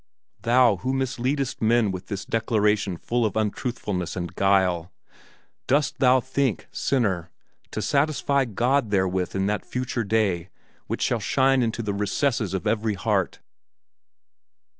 Thou, who misleadest men with this declaration full of untruthfulness and guile, dost thou think, sinner, to satisfy God therewith in that future day which shall shine into the recesses of every heart?